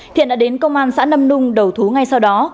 thiện đã đến công an xã nâm nung đầu thú ngay sau đó